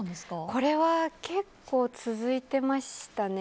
これは結構続いてましたね。